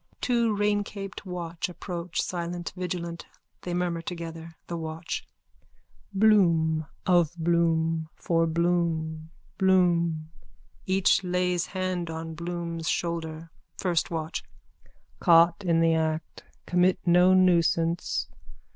Two raincaped watch approach, silent, vigilant. They murmur together.)_ THE WATCH: Bloom. Of Bloom. For Bloom. Bloom. (Each lays hand on Bloom's shoulder.) FIRST WATCH: Caught in the act. Commit no nuisance.